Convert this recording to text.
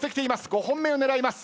５本目を狙います。